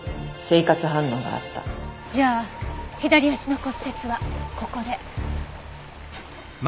じゃあ左足の骨折はここで。